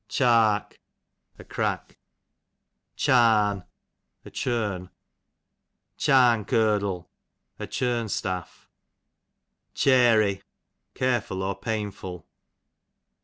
Cliark, a crack. Charn, a churn. Charn curdle, a churn staff. Chary, careful, or painful.